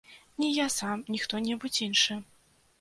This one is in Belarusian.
Ні я сам, ні хто-небудзь іншы.